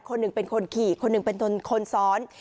คนหนึ่งเป็นคนขี่คนหนึ่งเป็นคนซ้อน